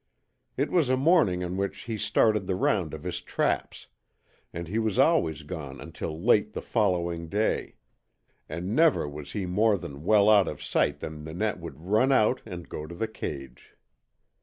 It was a morning on which he started the round of his traps, and he was always gone until late the following day. And never was he more than well out of sight than Nanette would run out and go to the cage.